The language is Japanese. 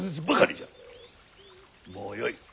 もうよい。